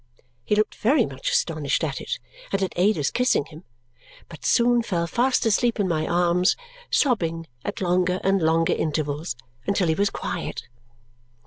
He looked very much astonished at it and at Ada's kissing him, but soon fell fast asleep in my arms, sobbing at longer and longer intervals, until he was quiet.